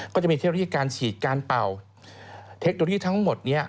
ก็จะมีเทคโนโลยีการฉีดการเป่าเทคโนโลยีทั้งหมดนี้